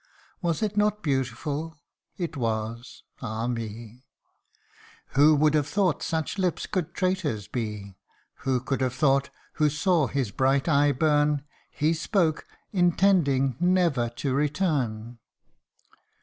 Was it not beautiful ? it was ah, me ! Who would have thought such lips could traitors be ? Who could have thought, who saw his bright eye burn, He spoke intending never to return